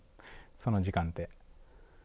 その時間って。